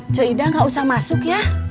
co ida gak usah masuk ya